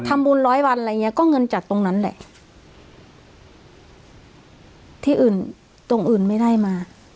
ร้อยวันอะไรอย่างเงี้ก็เงินจากตรงนั้นแหละที่อื่นตรงอื่นไม่ได้มา